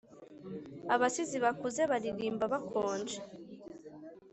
abasizi bakuze baririmba bakonje